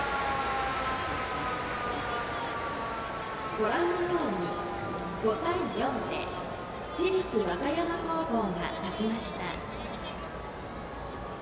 ご覧のように５対４で市立和歌山高校が勝ちました。